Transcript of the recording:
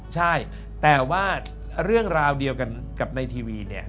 ใช่แต่ว่าเรื่องราวเดียวกันกับในทีวีเนี่ย